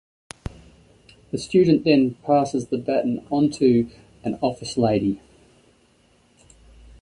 The student then passes the baton onto an office lady.